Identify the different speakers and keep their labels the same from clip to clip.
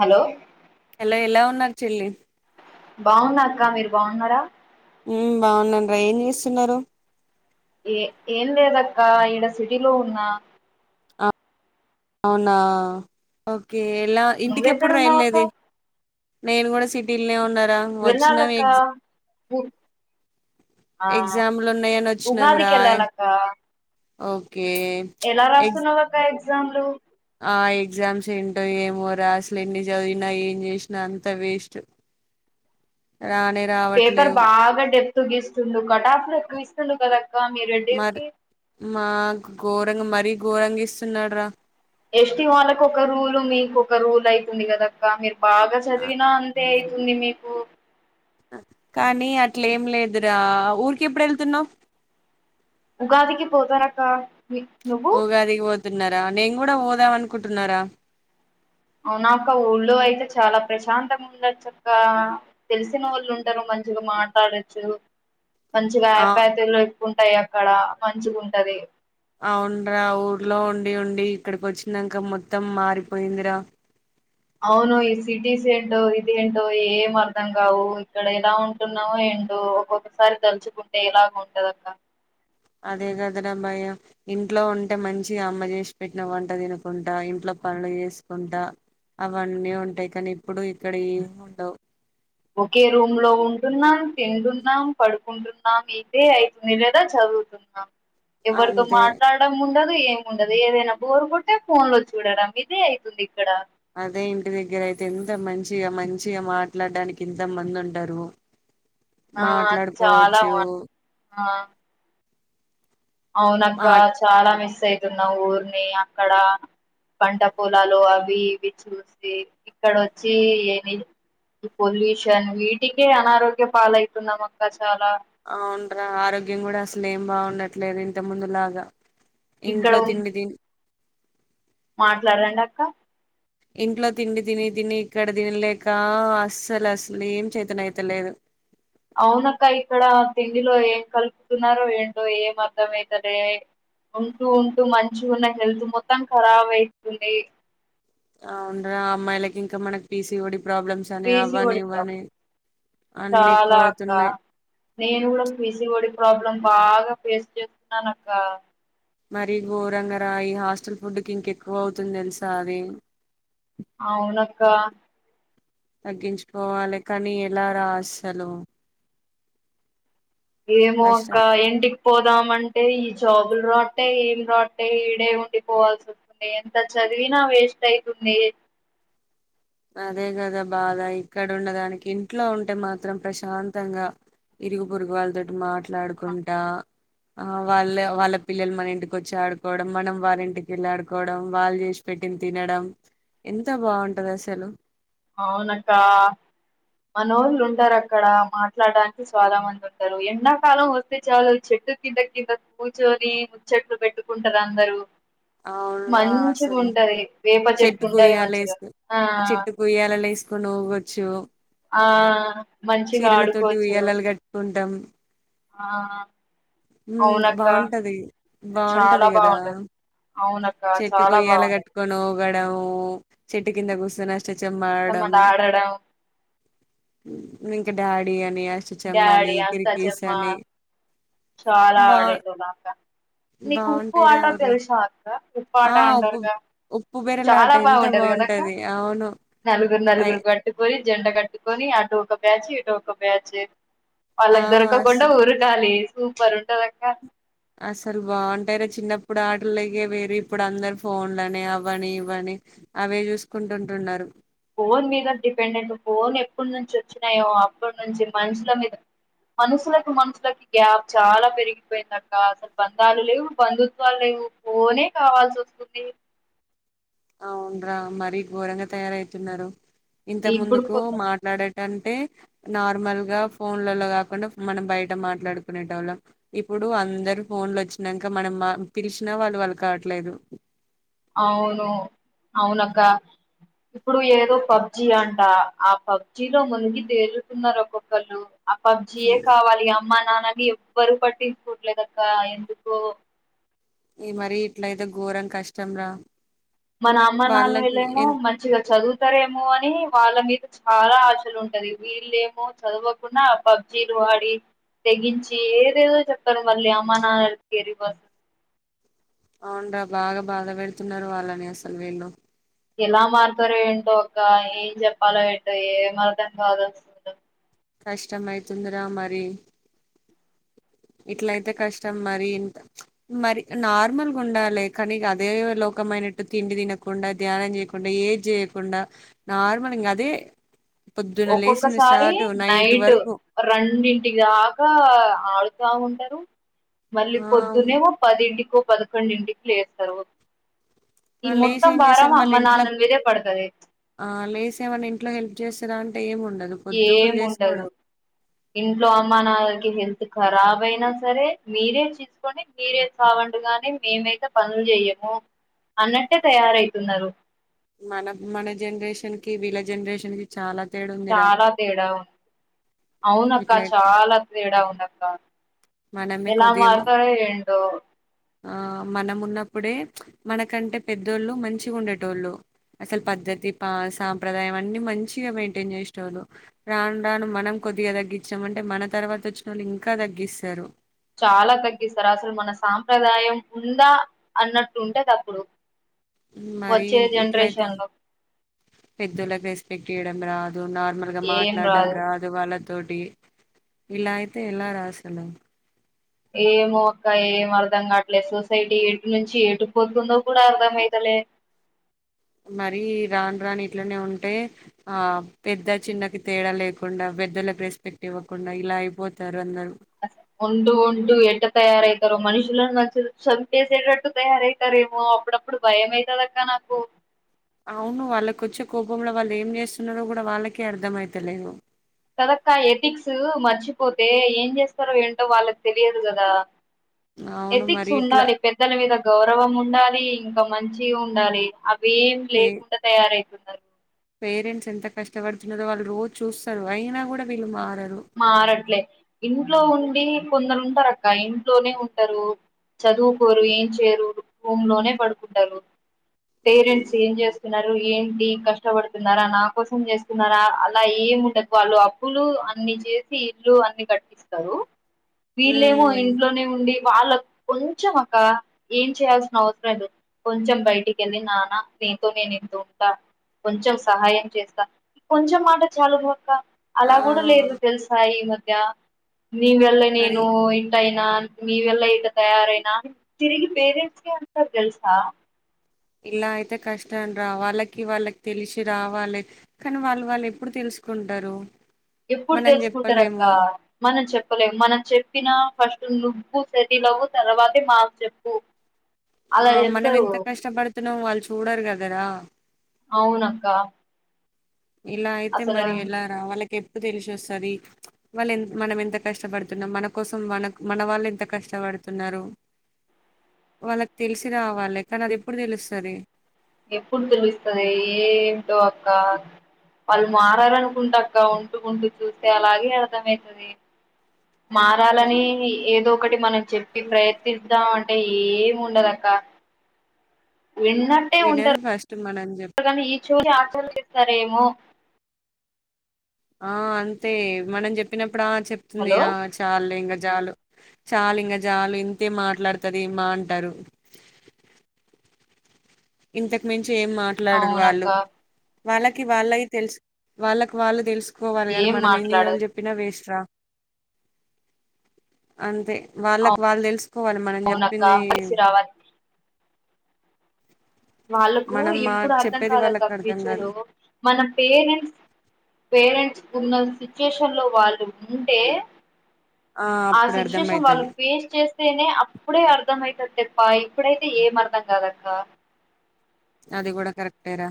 Speaker 1: Hello
Speaker 2: hello ఎలా ఉన్నారు చెల్లి
Speaker 1: బాగున్నా అక్క మీరు బాగున్నారా
Speaker 2: హమ్ బాగున్నాండరా ఏం చేస్తున్నారు
Speaker 1: ఏ ఏం లేదక్కా ఈడ సిటీలో ఉన్నా
Speaker 2: అవునాఓకే ఏలా ఇంటికి ఎప్పుడు రా
Speaker 1: నువ్వెక్కడున్నావ్ అక్క
Speaker 2: వెళ్ళేది నేను కూడా సిటీల్నే ఉండ
Speaker 1: వెళ్ళాలక్క ఉగ్ ఆ
Speaker 2: ఎగ్జామ్లు ఉన్నాయని
Speaker 1: ఉగాదికి ఎల్లాల అక్క
Speaker 2: ఓ
Speaker 1: ఎలా రాస్తున్నావ్ అక్క ఎక్స్ ఎగ్జామ్లు
Speaker 2: ఆ ఎగ్జామ్స్ ఏంటో ఏమో రా అసలు ఎన్ని చదివినా ఏం చేసినా అంత వేస్ట్ రానే రావట్
Speaker 1: పేపర్
Speaker 2: లేవు
Speaker 1: బాగా డెప్ గీస్తుండు కటాఫ్లు ఎక్కువ ఇస్తుండు కదా మీ రెడ్డీస్ కి
Speaker 2: మా గోరంగా మరీ ఘోరంగా ఇస్తున్నాడు రా
Speaker 1: ఎస్టి వాళ్ళకు ఒక రూల్ మీకు ఒక రూల్ అయితుంది కదక్కా మీరు బాగా చదివినా అంతే ఉంది మీకు
Speaker 2: కానీ అట్లే ఏం లేదురా ఊరికి ఎప్పుడు వెళ్తున్నావు
Speaker 1: ఉగాదికి పోతానక్క మీ నువ్వు
Speaker 2: తున్నారా నేను కూడా పోదాం అనుకుంటున్నారా
Speaker 1: అవునాక్క ఊళ్ళో అయితే చాలా ప్రశాంతంగా ఉండొచ్చు అక్క తెలిసిన వాళ్ళు ఉంటారు మంచిగా మాట్లాడొచ్చు మంచిగా
Speaker 2: ఆ
Speaker 1: ఆప్యాయతలు ఉంటాయి అక్కడ మంచిగా ఉంటది
Speaker 2: అవున్రా ఊర్లో ఉండి ఉండి ఇక్కడికి వచ్చినంక మొత్తం మారిపోయిందిరా
Speaker 1: అవును ఈ సిటీస్ ఏంటో ఇది ఏంటో ఏం అర్ధం కావు ఇక్కడ ఎలా ఉంటుందో ఏంటో ఒక్కొక్కసారి తలుచుకుంటే ఇలాగ ఉంటదక్క
Speaker 2: అదే కదన భ ఇంట్లో ఉంటే మంచి అమ్మ చేసి పెట్టిన వంట తినకుంటా ఇంట్లో పనులు చేసుకుంటా అవన్నీ ఉంటాయి కానీ ఇప్పుడు ఇక్కడ ఏమి ఉండవు
Speaker 1: ఒకే రూమ్ లో ఉంటున్నాం తింటున్నాం పడుకుంటున్నాం ఇదే అయితుంది లేదా చదువుతున్నాం ఎవరితో
Speaker 2: అంతే
Speaker 1: మాట్లాడడం ముందు ఉండదు ఏమి ఉండదు ఏదైనా బోరు కొట్టే ఫోన్ లో చూడడం ఇదే అయితుంది ఇక్కడ
Speaker 2: అదే ఇంటి దగ్గరయితే ఎంత మంచిగా మంచిగా మాట్లాడడానికి ఇంత మంది ఉంటారు
Speaker 1: ఆ చాలా
Speaker 2: మాట్లాడుకోవచ్చు
Speaker 1: బాగుంది ఆ
Speaker 2: ఆ-
Speaker 1: అవునక్కా చాలా మిస్ అవుతున్నా ఊరిని అక్కడ పంట పొలాలు అవి ఇవి చూసి ఇక్కడ వచ్చి ఏ పొల్యూషన్ వీటికే అనారోగ్య పాలయితున్నాం అక్క చాలా
Speaker 2: అవున్రా ఆరోగ్యం కూడా అసలు ఏం బాగుండట్లేదు ఇంత ముందు లాగా ఇంట్లో తిండి తిం
Speaker 1: మాట్లాడరడి అక్క
Speaker 2: ఇంట్లో తిండి తిని తిని ఇక్కడ తినలేక అస్సలు అసలు ఏం చైతన్ అయతలేదు
Speaker 1: అవునక్క ఇక్కడ తిండిలో ఏం కలుపుతున్నారో ఏంటో ఏం అర్ధం అవుతలే ఉంటూ ఉంటూ మంచి ఉన్న హెల్త్ మొత్తం ఖరాబ్ అయితుంది
Speaker 2: అవునరా అమ్మా ఎలాకి ఇంకా మన్ PC D
Speaker 1: P C O D problem
Speaker 2: అన్ని ఎక్కువ
Speaker 1: చాలా అక్క
Speaker 2: అవుతున్నాయి
Speaker 1: నేను కూడా కసి ఒడి ప్రాబ్లం బాగా ఫేస్ చేస్తున్నాను అక్క
Speaker 2: మరి గోరంగ రా హాస్టల్ ఫుడ్కి ఇంకెక్కువ అవుతుంది తెలుసా అది
Speaker 1: అవునక్క
Speaker 2: తగ్గించుకోవాలి కానీ ఎలా రా అసలు
Speaker 1: ఏమోక్క ఎంటి పోదామంటే ఈ జాబులు రాట్టే ఏం రాట్టే ఈడే ఉండిపోవాల్సి వస్తుంది ఎంత చదివినా వేస్ట్ అయితుంది
Speaker 2: అదే కదా బాధ ఇక్కడ ఉన్నదానికి ఇంట్లో ఉంటే మాత్రం ప్రశాంతంగా, ఇరుగు పురుగు వాళ్ళతోటి మాట్లాడుకుంటా, ఆ వాళ్ళ వాళ్ళ పిల్లలు మన ఇంటికి వచ్చి ఆడుకోవడం, మనం వాళ్ళ ఇంటికి వెళ్ళి ఆడుకోవడం, వాళ్ళు చేసి పెట్టిన తినడం ఎంత బాగుంటంది. లు
Speaker 1: అవునక్క మనోహలు ఉంటారు అక్కడ మాట్లాడడానికి చలా మంది ఉంటారు, ఎండాకాలం వస్తే చాలు చెట్టు కింద కింద కూర్చొని ముచ్చట్లు పెట్టుకుంటారు అందరు
Speaker 2: అవునురా
Speaker 1: మంచిగా
Speaker 2: అసలు
Speaker 1: ఉంటది వేప చెట్టు
Speaker 2: చెట్టుకు
Speaker 1: ఉంటాల మంచిగా ఆ
Speaker 2: లలు వేసుకొని పోవొచ్చు
Speaker 1: ఆ మంచిగా ఆడుకోవచ్చు
Speaker 2: ద్దం
Speaker 1: ఆ
Speaker 2: మ్
Speaker 1: అవునక్క
Speaker 2: బాగుంటది
Speaker 1: చాలా
Speaker 2: బాగుంటది కదా
Speaker 1: బాగుంటది అవునక్క
Speaker 2: చెట్టు
Speaker 1: చాలా
Speaker 2: కొయ్యాల
Speaker 1: బాగుంటది
Speaker 2: కట్టుకొని ఊగడం చెట్టు కింద కుసను అష్
Speaker 1: [unintelligible] ఆడగడం
Speaker 2: నింక డాడీ అం అస్చమని
Speaker 1: డాడీ
Speaker 2: కిరికీస్
Speaker 1: అష్టాచెమ్మ
Speaker 2: అని బా
Speaker 1: నీకు ఉప్పు
Speaker 2: బాగుంటాయి రా
Speaker 1: ఆట
Speaker 2: ఊర్లో
Speaker 1: తెలుసా అక్క ఉప్పు
Speaker 2: ఆ
Speaker 1: ఆట
Speaker 2: ఉప్పు
Speaker 1: అంటారుగా
Speaker 2: ఉప్పు బెరలాట
Speaker 1: చాలా
Speaker 2: ఎంత
Speaker 1: బాగుంటది కదాక్క
Speaker 2: అవును
Speaker 1: నలుగురు
Speaker 2: అయ్
Speaker 1: నలుగురు కట్టుకొని జండ కట్టుకొని అటు ఒక బ్యాచ్ ఇటు ఒక బ్యాచ్
Speaker 2: ఆ
Speaker 1: వాళ్ళకి
Speaker 2: అస్
Speaker 1: దొరకకుండా ఊరకాలి సూపర్ ఉంటందిక్క
Speaker 2: అసలు బాగుంటయిార చిన్నప్పుడు ఆటలగే వేర ఇప్పుడు అందరు ఫోన్లని అవని ఇవని అవే చూసుకుంటుంటున్నారు
Speaker 1: ఫోన్ మీద డిపెండెంట్ ఫోన్ ఎప్పటి నుంచి వచ్చినాయో అప్పటి నుంచి మనుషుల మీద మనుషులకు మనుషులకి గ్యాప్ చాలా పెరిగిపోయింది అక్క అసలు బంధాలు లేవు బంధుత్వాలు లేవు ఫోనే కావాల్సి వస్తుంది
Speaker 2: అవున్రా మరీ ఘోరంగా తయారవుతున్నారు ఇంత
Speaker 1: ఇప్పుడు
Speaker 2: ముందుకు
Speaker 1: కొత్త
Speaker 2: మాట్లాడే అంటే నార్మల్ గా ఫోన్లలో కాకుండా మనం బయట మాట్లాడుకునేట వాళ్ళం ఇప్పుడు అందరు ఫోన్ లో వచ్చినాక మనం పిలిచినా వాళ్ళు వాళ్ళు కావట్లేదు
Speaker 1: అవును అవునక్క ఇప్పుడు ఏదో పబ్జి అంట అ ఆ పబ్జీ లో మునిగి తెలుతున్నారు ఒక్కొక్కళ్లు ఆ పబ్జియే కావాలి అ మా నాన్నని ఎవ్వరు పట్టించుకోట్లేదక్క ఎందుకో
Speaker 2: ఈ మరి ఇట్లయితే ఘోరం కష్టం రా
Speaker 1: మన అమ్మ నాన్న
Speaker 2: వాళ్ళకి
Speaker 1: వీళ్ళమో
Speaker 2: ఎ
Speaker 1: మంచిగా చదువు సరేమో అని వాళ్ళ మీద చాలా ఆశలు ఉంటది వీళ్ళేమో చదవకుండా పబ్జీలు ఆడి తెగించి ఏదేదో చెప్తారు మళ్ళీ అమ్మా నాన్నాలకి
Speaker 2: అవును రా బాగా బాధ పెడుతున్నారు వాళ్ళని అసలు వీళ్ళు
Speaker 1: ఎలా మారుతారు ఏంటో అక్క ఏం చెప్పాలో ఏంటో ఏం అర్థం కాదు
Speaker 2: కష్టం అయితుందిరా మరి ఇట్లయితే కష్టం మరి ఇంత మరి నార్మల్గా ఉండాలి కానీ ఇగ అదే లోకమైనట్టు తిండి తినకుండా ధ్యానం చేయకుండా ఏం చేయకుండా నార్మల్ ఇంకా అదే పొద్దున లేసిన
Speaker 1: ఒక్కొక్కసారి
Speaker 2: స్టార్ట్
Speaker 1: నైట్
Speaker 2: వరకు
Speaker 1: రేండింటి దాకా ఆడు బాగుంటారు మళ్ళీ పొద్దునే ఏమో పదింటికి కు పదకొండింటికి లేస్తారు ఈ
Speaker 2: లేసి
Speaker 1: మొత్తం
Speaker 2: ఏం
Speaker 1: భారం
Speaker 2: చేస్తారు మళ్ళీ
Speaker 1: అమ్మ
Speaker 2: ఇంట్లా
Speaker 1: నాన్న మీదే పడుతది
Speaker 2: ఆ లేసి ఏమన్న ఇంట్లో హెల్ప్ చేస్తార అంటే ఏంముండ
Speaker 1: ఏం ఉండదు ఇంట్లో అమ్మా నాన్నకి హెల్త్ ఖరాబ్ అయినా సరే మీరే చేసుకొని మీరే చావండి గాని మేమైతే పనులు చెయ్యము అన్నట్టే తయారవుతున్నారు
Speaker 2: మన మన జనరేషన్ కి వీళ్ళ జనరేషన్ కి చాలా తేడా ఉందిరా
Speaker 1: చాలా తేడా ఉంది అవును అక్క
Speaker 2: ఇట్లా
Speaker 1: చాలా తేడా ఉంది అక్క
Speaker 2: మనమే
Speaker 1: ఎలా
Speaker 2: కొద్దిగా
Speaker 1: మారుతారో ఏంటో
Speaker 2: ఆ మనం ఉన్నప్పుడే మనకంటే పెద్దోళ్ళు మంచిగా ఉండేటోళ్ళు అసలు పద్ధతి పా సాంప్రదాయం అన్ని మంచిగా మెయింటైన్ చేసేటోళ్లు రాను రాను మనం కొద్దిగా తగ్గించాం అంటే మన తర్వాత వచ్చినోళ్లు ఇంకా తగ్గిస్తారు
Speaker 1: చాలా తగ్గిస్తారు అసలు మన సాంప్రదాయం ఉందా అన్నట్టుంటది అప్పుడు
Speaker 2: మరి
Speaker 1: వచ్చే
Speaker 2: ఇట్లయితే
Speaker 1: జనరేషన్ లో
Speaker 2: పెద్దోళ్ళకి రెస్పెక్ట్ ఇయడం రాదు నార్మల్ గా మాట్లాడం రాదు వాళ్ళ తోటి ఇలా అయితే ఎలా రా అసలు
Speaker 1: ఏమో అక్క ఏం అర్ధం కాట్లే సొసైటీ ఎటు నుంచి ఎటు పోతుందో కూడా అర్థం అయితలే
Speaker 2: మరీ రాను రాను ఇట్లనే ఉంటే ఆ పెద్ద చిన్నకి తేడా లేకుండా పెద్దలకు రెస్పెక్ట్ ఇవ్వకుండా ఇలా అయిపోతారు అందరు
Speaker 1: అస ముందు ముందు ఎట్ట తయారయితరో మనుషులను అసలు చంపేసేటట్టు తయారయితరేమో అప్పుడప్పుడు భయం అయితది అక్క నాకు
Speaker 2: అవును వాళ్ళకొచ్చే కోపంలో వాళ్ళు ఏం చేస్తున్నరో కూడా వాళ్ళకే అర్ధం అయితలేదు.
Speaker 1: కదక్కా ఎథిక్సు మర్చిపోతే ఏం చేస్తారో ఏంటో వాళ్ళకి తెలియదు కదా
Speaker 2: అవును
Speaker 1: ఎథిక్స్
Speaker 2: మరి ఇట్లా
Speaker 1: ఉండాలి పెద్దల మీద గౌరవం ఉండాలి ఒక మంచి ఉండాలి. అ ఇవేం
Speaker 2: పే
Speaker 1: లేకుండా తయారైతుంది
Speaker 2: పేరెంట్స్ ఎంత కష్టపడుతున్నరో వాళ్ళు రోజు చూస్తారు అయినా కూడా వీళ్ళు మార్
Speaker 1: మారట్లే ఇంట్లో ఉండి కొందరు ఉంటరక్క ఇంట్లోనే ఉంటరు చదువుకోరు ఏం చేయరు రూమ్ లోనే పడుకుంటరు. పేరెంట్స్ ఏం చేస్తున్నారు? ఏంటి కష్టపడుతున్నారా నా కోసం చేస్తున్నారా అలా ఏమి ఉండదు వాళ్ళు అప్పులు ఆ అన్ని చేసి ఇల్లు అన్ని కట్టిస్తరూ వీళ్ళేమో
Speaker 2: హ్మ్.
Speaker 1: ఇంట్లోనే ఉండి వాళ్ళ కొంచం అక్కా ఏం చేయాల్సిన అవసరం లేదు కొంచెం బయటికెళ్ళి నానా నీతో నేను ఇంత ఉంటా కొంచెం సహాయం చేస్తా కొంచెం మాట చాలు గా అక్క
Speaker 2: ఆ
Speaker 1: క ఈ మధ్య నీ వల్లే
Speaker 2: మరి
Speaker 1: నేను ఇంటా ఇ ఇంకా మీ వల్లే ఇట్ల తయారైనా తిరిగి పేరెంట్స్ నే అంటారు తెలుసా
Speaker 2: ఇలా అయితే కష్టం రా వాళ్ళకి వాళ్ళకి తెలిసి రావాలి కానీ వాళ్ళు వాళ్ళు ఎప్పుడు తెలుసుకుంటారు?
Speaker 1: ఎప్పుడు
Speaker 2: మనం
Speaker 1: తెలుసుకుంటరు అక్క
Speaker 2: చెప్పలేము.
Speaker 1: మనం చెప్పలేము మనం చెప్పినా ఫస్ట్ నువ్వు సెటిలవ్వు తర్వాతే మాకు చెప్పు
Speaker 2: ఆ
Speaker 1: అలా
Speaker 2: మనం
Speaker 1: చెప్తారు
Speaker 2: ఎంత కష్టపడుతున్నామో అల్ చూడరు కదరా
Speaker 1: అవునక్కా
Speaker 2: ఇలా అయితే మరి ఎలా రా వాళ్ళకి ఎప్పుడు తెలిసిసొస్తాది. వాళ్ళు ఎం మనం ఎంత కష్టపడుతున్నం మన కోసం మన మన వాళ్ళు ఎంత కష్టపడుతున్నారు వాళ్ళకి తెలిసి రావాలె కానీ అది ఎప్పుడు తెలుస్తది.
Speaker 1: ఎప్పుడు తెలుస్తది ఏమిటో అక్కా వాళ్ళు మారాలనుకుంటా అక్క ఉంటూ ఉంటూ చూస్తే అలాగే అర్థమైతుది మారాలని ఏదో ఒకటి మనం చెప్పి ప్రయత్నిద్దాం అంటే ఏమీ ఉండదక్క విన్నట్టే
Speaker 2: వినరు ఫస్ట్ మనం చెప్
Speaker 1: ఉంటారు కానీ ఈ చోలి ఆచార సరేమో
Speaker 2: ఆ అంతే మనం జెప్పినప్పు ఇప్పుడా చెప్తుంది
Speaker 1: హలో
Speaker 2: ఆ చాల్లే ఇంకా జాలు చాలు ఇంకా జాలు ఇంతే మాట్లాడతది మా అంటారు ఇంతక్ మిం చే ఏం మాట్లాడరు
Speaker 1: అవునక్క
Speaker 2: వాళ్ళు వాళ్ళకి వాలై తెలుసు వాళ్ళకు వాళ్ళు తెలుసు కోవాలిగాని మనం ఏం చేయాలి చెప్పినా వేస్ట్ రా అంతే వాళ్ళకు వాళ్ళు తెలుస్ కోవాలి మనని
Speaker 1: అవునక్క
Speaker 2: చెప్పింది
Speaker 1: కలిసి రావాలి వాళ్ళకు
Speaker 2: మనం మా
Speaker 1: ఇప్పుడు అర్థం
Speaker 2: చెప్పేది
Speaker 1: కాదక్క
Speaker 2: వాళ్ళకి అర్థం కాదు
Speaker 1: ఫ్యూచరు మన పేరెంట్స్ పేరెంట్స్ కొందరు సిచువేషన్లో వాళ్ళు ఉంటే. ఆ
Speaker 2: అప్పుడు అర్థం
Speaker 1: సిచ్యుయేషన్ వాళ్ళు
Speaker 2: అయితది
Speaker 1: ఫేస్ చేస్తేనే అప్పుడే అర్థంమవుత తేప్ప ఇప్పుడైతే ఏం అర్ధం కాదు అక్క
Speaker 2: అది కూడాడా కరెక్టేరా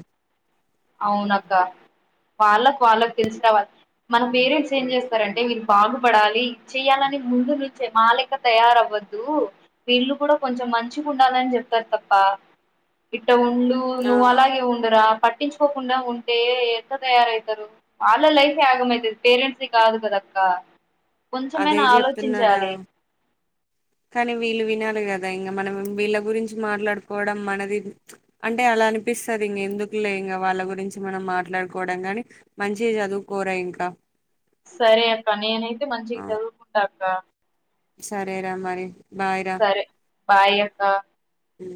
Speaker 1: అవున అక్క వాళ్లకు వాళ్లు తెలిసి రావాలి, మానా పేరెంట్స్ ఏం చేస్తారంటే వీళ్ళు బాగుపడాలి చెయ్యాలని ముందు నుంచి మా లేక్క తయారవ్వద్దు. వీళ్ళు కూడా కొంచెం మంచిగా ఉండాలని చెప్తారు తప్ప ఈప్ ఉండు
Speaker 2: ఆ
Speaker 1: నువ్వు అలాగే ఉండరా పట్టించూ కోకుండా ఉంటే ఎంత తయారవుతారు వాళ్ళ లైఫ్ ఆగంమైతుది పేరెంట్స్ కాదు కదా అక్క.
Speaker 2: అదే
Speaker 1: కొంచెమైనా
Speaker 2: చెప్తున్నారా
Speaker 1: ఆలోచించాలి
Speaker 2: కానీ వీళ్లు వినాలి కదా ఇంగా మనం వీళ్ళ గురించి మాట్లాడుకోవడం మనది, అంటే అలా అనిపిస్తుంది ఇంగా ఎందుకులే ఇంగా వాళ్ళ గురించి మనం మాట్లాడుకోవడం గాని మంచి చదువుకోరా ఇంకా.
Speaker 1: సరే అక్క నేనై మంచిగా చదువుకుంటా ఇంగ
Speaker 2: సరే రా మరి బాయ్
Speaker 1: సరే బాయ అక్క
Speaker 2: ఉ